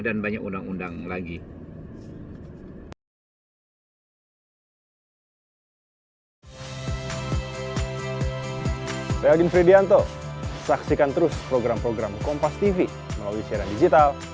dan banyak undang undang lagi